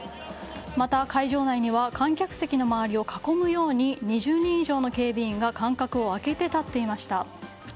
また、会場内には観客席の周りを囲むように２０人以上の警備員が間隔を空けて立っていました。